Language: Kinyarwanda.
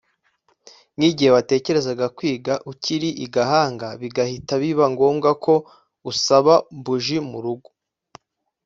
nk’igihe watekerezaga kwiga ukiri i Gahanga bigahita biba ngombwa ko usaba buji mu rugo